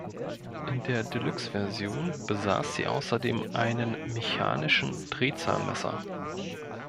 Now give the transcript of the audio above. In der „de-Luxe“-Version besaß sie außerdem einen mechanischen Drehzahlmesser.